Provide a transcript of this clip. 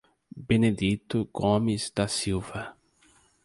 Benedito Gomes da Silva